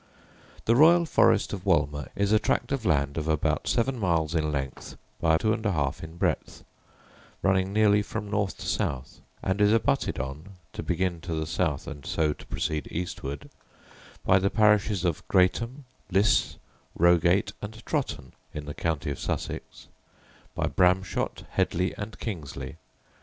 The royal forest of Wolmer is a tract of land of about seven miles in length, by two and a half in breadth, running nearly from north to south, and is abutted on, to begin to the south, and so to proceed eastward, by the parishes of Greatham, Lysse, Rogate, and Trotton, in the county of Sussex; by Bramshot, Hedleigh, and Kingsley.